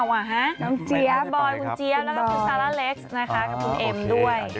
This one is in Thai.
น้องเจี๊ยบบอยแล้วก็คุณซาร่าเล็กซ์